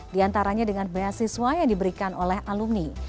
di antaranya dengan beasiswa yang diberikan oleh alumni